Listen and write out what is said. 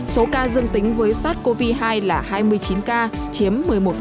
số ca dương tính với sars cov hai là hai mươi chín ca chiếm một mươi một